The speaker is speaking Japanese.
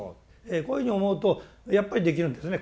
こういうふうに思うとやっぱりできるんですね